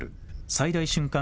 最大瞬間